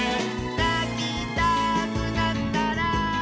「なきたくなったら」